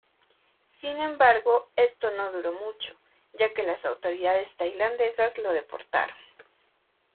Sin embargo, esto no duró mucho, ya que las autoridades tailandesas lo deportaron.